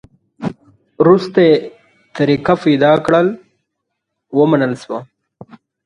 وروسته یې طریقه پیدا کړه؛ ومنل شوه.